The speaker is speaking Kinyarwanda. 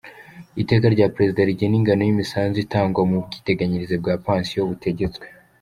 Iteka rya Perezida rigena ingano y’imisanzu itangwa mu bwiteganyirize bwa pansiyo butegetswe;.